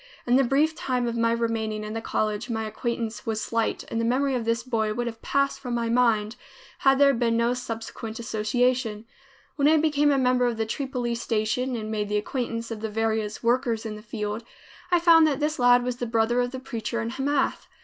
In the brief time of my remaining in the college, my acquaintance was slight and the memory of this boy would have passed from my mind, had there been no subsequent association. When I became a member of the Tripoli Station and made the acquaintance of the various workers in the field, I found that this lad was the brother of the preacher in Hamath.